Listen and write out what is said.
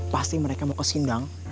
pasti mereka mau ke sindang